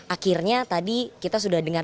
akhirnya tadi kita sudah dengar